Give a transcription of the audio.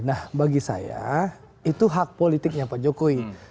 nah bagi saya itu hak politiknya pak jokowi